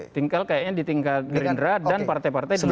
tingkat kayaknya di tingkat gerindra dan partai partai di luar itu